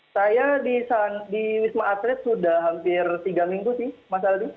saya di wisma atlet sudah hampir tiga minggu sih mas aldi